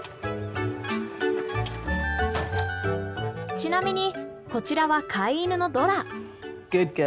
ちなみにこちらは飼い犬のドラ。